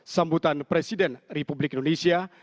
sambutan presiden republik indonesia